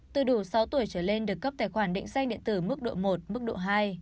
từ đủ sáu tuổi trở lên được cấp tài khoản định danh điện tử mức độ một mức độ hai